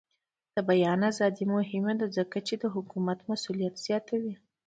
د بیان ازادي مهمه ده ځکه چې د حکومت مسؤلیت زیاتوي.